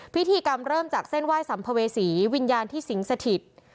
พิธีกรรมเริ่มจากเส้นไหว้สัมภเวษีวิญญาณที่สิงสถิต